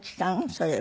それは。